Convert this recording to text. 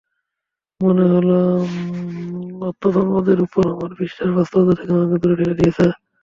মনে হলো, অধ্যাত্মবাদের ওপর আমার বিশ্বাস বাস্তবতা থেকে আমাকে দূরে ঠেলে দিয়েছে।